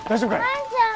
万ちゃん。